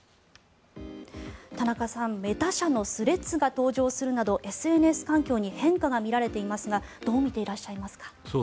田中さん、メタ社のスレッズが登場するなどＳＮＳ環境に変化が見られていますがどう見ていらっしゃいますか？